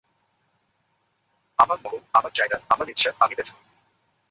আমার মহল, আমার জায়গা, আমার ইচ্ছা, আমি বেচবো।